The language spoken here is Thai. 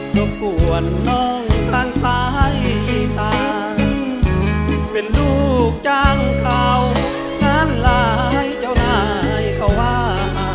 บกวนน้องทางซ้ายจังเป็นลูกจ้างเขางานหลายเจ้านายเขาว่า